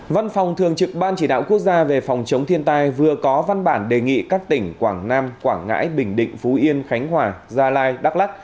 văn phòng thường trực ban chỉ đạo quốc gia về phòng chống thiên tai vừa có văn bản đề nghị các tỉnh quảng nam quảng ngãi bình định phú yên khánh hòa gia lai đắk lắc